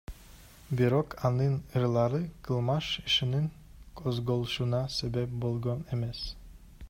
Бирок анын ырлары кылмыш ишинин козголушуна себеп болгон эмес.